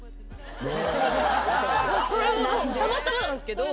それもたまたまなんですけど。